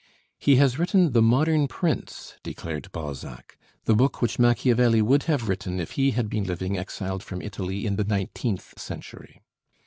"He has written 'The Modern Prince,'" declared Balzac, "the book which Macchiavelli would have written if he had been living exiled from Italy in the nineteenth century."